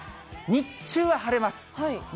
日中は晴れます。